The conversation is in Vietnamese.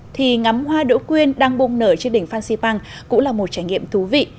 thì ngắm hoa đỗ quyên đang bùng nở trên đỉnh phan xipang cũng là một trải nghiệm thú vị